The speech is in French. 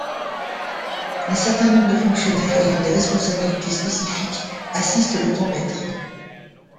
Un certain nombre de fonctionnaires ayant des responsabilités spécifiques assiste le grand maître.